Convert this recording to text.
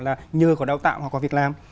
là nhờ có đào tạo hoặc có việc làm